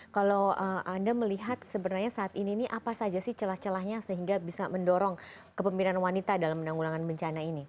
kalau anda melihat sebenarnya saat ini apa saja sih celah celahnya sehingga bisa mendorong kepemimpinan wanita dalam menanggulangan bencana ini